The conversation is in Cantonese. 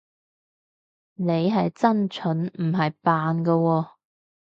你係真蠢，唔係扮㗎喎